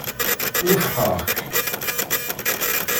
Wufqeɣ-k.